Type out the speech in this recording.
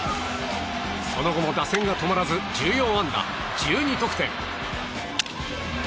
その後も打線が止まらず１４安打１２得点。